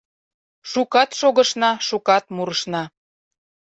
Шукат шогышна, шукат мурышна